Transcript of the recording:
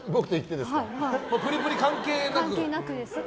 プリプリ関係なく。